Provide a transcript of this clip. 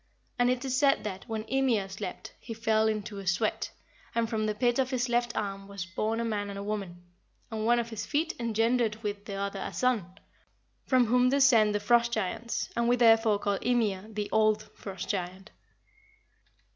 And it is said that, when Ymir slept, he fell into a sweat, and from the pit of his left arm was born a man and a woman, and one of his feet engendered with the other a son, from whom descend the Frost giants, and we therefore call Ymir the old Frost giant."